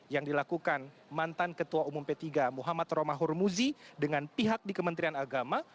yang dilakukan mantan ketua umum p tiga muhammad romahur muzi dengan pihak di kementerian agama